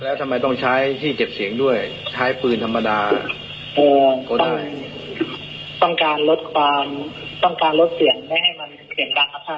แล้วทำไมต้องใช้ที่เก็บเสียงด้วยใช้ปืนธรรมดามองก็ได้ต้องการลดความต้องการลดเสียงไม่ให้มันเสียงดังครับข้าง